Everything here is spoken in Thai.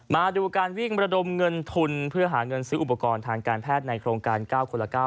มาดูการวิ่งระดมเงินทุนเพื่อหาเงินซื้ออุปกรณ์ทางการแพทย์ในโครงการ๙คนละ๙